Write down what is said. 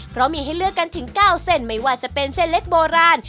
เพราะมีให้เลือกกันถึง๙เส้นไม่ว่าจะเป็นเส้นเล็กโบราณ